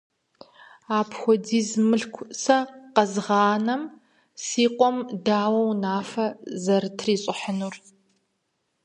Апхуэдиз мылъку сэ къэзгъанэм си къуэм дауэ унафэ зэрытрищӀыхьынур?